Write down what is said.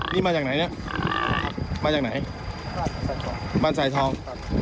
นี่มาจากไหนเนี่ยมาจากไหนบ้านสายทอง